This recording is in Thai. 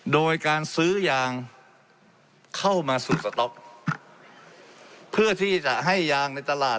โดยการซื้อยางเข้ามาสู่สต๊อกเพื่อที่จะให้ยางในตลาด